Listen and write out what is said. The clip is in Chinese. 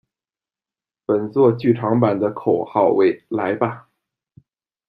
本作剧场版的口号为「来吧！